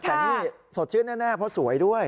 แต่นี่สดชื่นแน่เพราะสวยด้วย